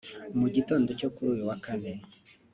Mu gitondo cyo kuri uyu wa kane